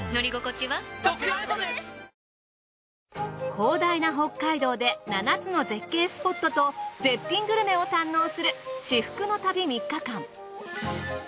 広大な北海道で７つの絶景スポットと絶品グルメを堪能する至福の旅３日間。